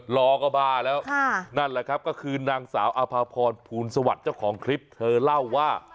รอก็บ้าแล้วนั่นแหละครับก็คือนางสาวอภาพรภูลสวัสดิ์เจ้าของคลิปเธอเล่าว่า